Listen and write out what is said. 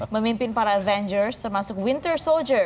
memimpin para avengers termasuk winter soldier